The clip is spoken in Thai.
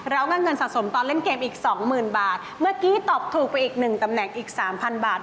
เราก็เงินสะสมตอนเล่นเกมอีก๒๐๐๐๐บาทเมื่อกี้ตอบถูกไปอีกหนึ่งตำแหน่งอีก๓๐๐๐บาท